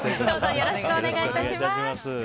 どうぞよろしくお願い致します。